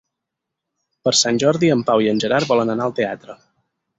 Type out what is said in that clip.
Per Sant Jordi en Pau i en Gerard volen anar al teatre.